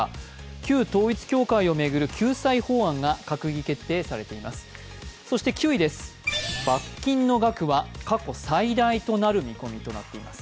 旧統一教会を巡る救済法案が閣議決定されています。